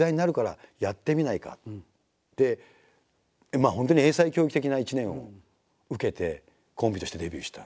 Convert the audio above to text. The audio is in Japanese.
まあ本当に英才教育的な１年を受けてコンビとしてデビューした。